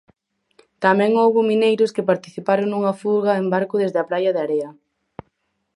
Tamén houbo mineiros que participaron nunha fuga en barco desde a praia de Area.